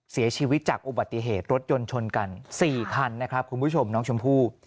เสียชีวิตจากอุบัติเหตุรถยนต์ชนกัน๔คันนะครับคุณผู้ชมน้องชมพู่